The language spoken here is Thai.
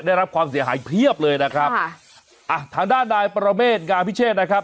ได้รับความเสียหายเพียบเลยนะครับค่ะอ่ะทางด้านนายประเมษงามพิเชษนะครับ